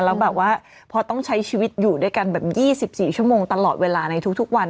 แล้วแบบว่าพอต้องใช้ชีวิตอยู่ด้วยกันแบบ๒๔ชั่วโมงตลอดเวลาในทุกวัน